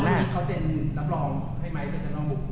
แล้วถ้าเมื่อกี้เขาเซ็นรับรองให้ไม้เป็นเซ็นรองบุตร